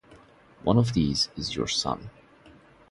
One of these is your son.